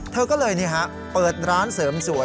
เธอก็เลยเปิดร้านเสริมสวย